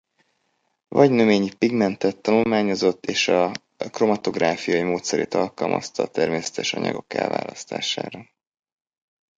Vagy növényi pigmentet tanulmányozott és a kromatográfia módszerét alkalmazta a természetes anyagok elválasztására.